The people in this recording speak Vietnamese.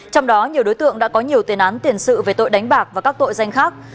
trong đó nhiều đối tượng đã có nhiều tiền án tiền sự về tội đánh bạc và các tội danh khác